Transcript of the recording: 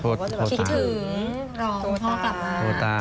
พอพ่อไปต่างจังหวัดกลับมา